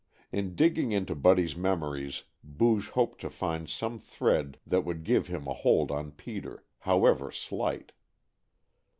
In digging into Buddy's memories Booge hoped to find some thread that would give him a hold on Peter, however slight.